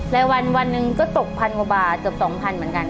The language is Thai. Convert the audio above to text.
และวันนึงก็ตกพันกว่าบาทเกือบ๒๐๐๐บาทเหมือนกัน